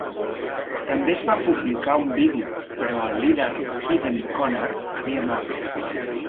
També es va publicar un vídeo, però el líder Keven Conner havia mort.